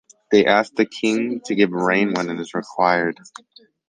They ask the king to give rain when it is required.